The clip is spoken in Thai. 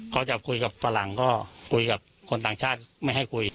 เขาจะคุยกับฝรั่งก็คุยกับคนต่างชาติไม่ให้คุย